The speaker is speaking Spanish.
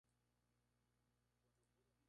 Vas a un bar y das un gran espectáculo.